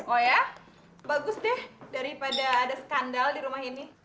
oh ya bagus deh daripada ada skandal di rumah ini